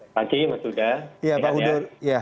pagi mas huda